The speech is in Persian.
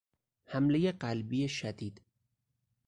حملهی قلبی شدید